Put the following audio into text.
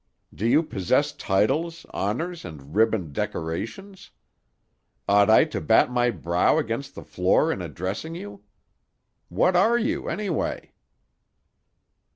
Do you possess titles, honors, and ribboned decorations? Ought I to bat my brow against the floor in addressing you? What are you, anyway?"